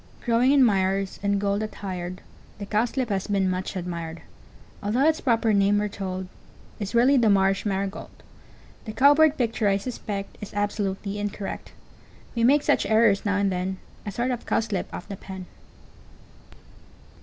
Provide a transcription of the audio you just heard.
] Growing in mires, in gold attired, The Cowslip has been much admired, Altho' its proper name, we're told, Is really the Marsh Marigold: The Cow Bird picture, I suspect, Is absolutely incorrect, We make such errors now and then, A sort of cow slip of the pen.